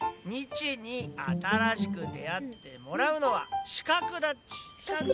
ミチにあたらしく出会ってもらうのは視覚だっち。